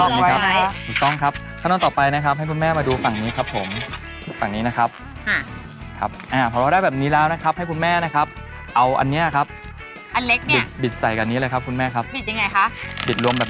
คุณเป็นต่อบอกมันง่ายมากเลยครับ